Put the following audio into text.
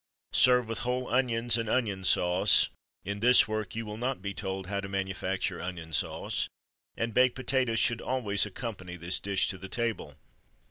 Serve with whole onions and onion sauce in this work you will not be told how to manufacture onion sauce and baked potatoes should always accompany this dish to table.